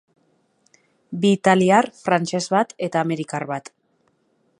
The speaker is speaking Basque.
Bi italiar, frantses bat eta amerikar bat.